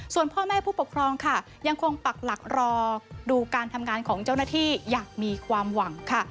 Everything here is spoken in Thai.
ส่วนพ่อแม่ผู้ปกครองค่ะยังคงปักหลักรอดูการทำงานของเจ้าหน้าที่อย่างมีความหวังค่ะ